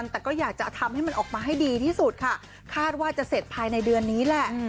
แต่ก็อยากจะทำให้มันออกมาให้ดีที่สุดค่ะคาดว่าจะเสร็จภายในเดือนนี้แหละ